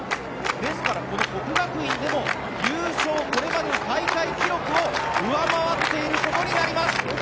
ですから、この國學院でもこれまでの優勝の大会記録を上回っていることになります。